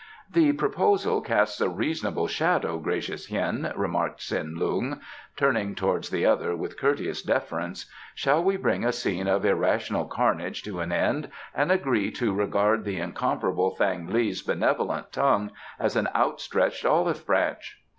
"The proposal casts a reasonable shadow, gracious Hien," remarked Tsin Lung, turning towards the other with courteous deference. "Shall we bring a scene of irrational carnage to an end and agree to regard the incomparable Thang li's benevolent tongue as an outstretched olive branch?"